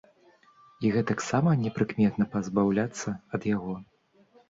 І гэтаксама непрыкметна пазбаўляцца ад яго.